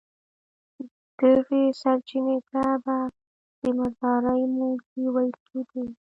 دغې سرچينې ته به د مردارۍ موږی ويل کېدی.